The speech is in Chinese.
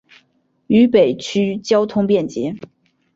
渝北区交通便捷。